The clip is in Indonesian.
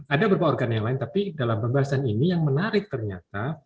ada beberapa organ yang lain tapi dalam pembahasan ini yang menarik ternyata